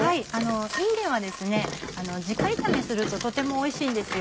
いんげんはじか炒めするととてもおいしいんですよ。